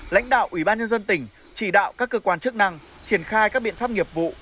lãnh đạo ủy ban nhân dân tỉnh chỉ đạo các cơ quan chức năng triển khai các biện pháp nghiệp vụ